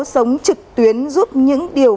sống trực tuyến giúp những điều